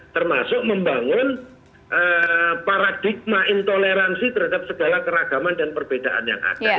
termasuk membangun paradigma intoleransi terhadap segala keragaman dan perbedaan yang ada